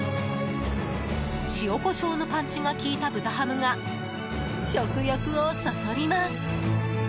塩コショウのパンチが効いた豚ハムが食欲をそそります。